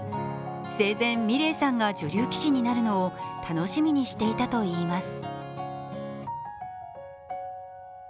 生前、美礼さんが女流棋士になるのを楽しみにしていたといいます。